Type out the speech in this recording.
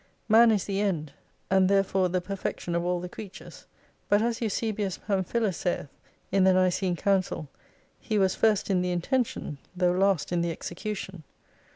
Man is the end, and therefore the perfection of all the creatures ; but as Eusebius Pamphilus saith (in the Nicene Council), he was first in the intention, though last in the execution.